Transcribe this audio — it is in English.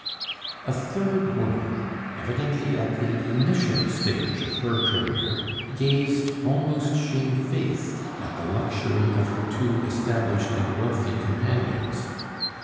A third woman, evidently at the initial stage of her career, gazed, almost shamefaced, at the luxury of her two established and wealthy companions.